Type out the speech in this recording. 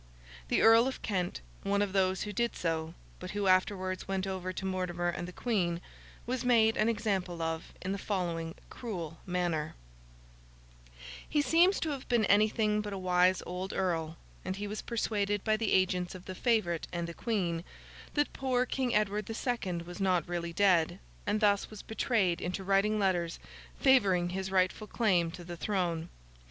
The Earl of Kent, one of those who did so, but who afterwards went over to Mortimer and the Queen, was made an example of in the following cruel manner: He seems to have been anything but a wise old earl; and he was persuaded by the agents of the favourite and the Queen, that poor King Edward the Second was not really dead; and thus was betrayed into writing letters favouring his rightful claim to the throne.